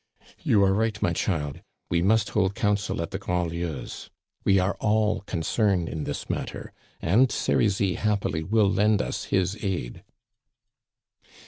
"You are right, my child. We must hold council at the Grandlieus'. We are all concerned in this matter, and Serizy happily will lend us his aid."